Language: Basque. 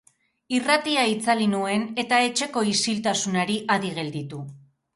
Irratia itzali nuen eta etxeko isiltasunari adi gelditu.